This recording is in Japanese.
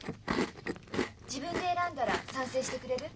自分で選んだら賛成してくれる？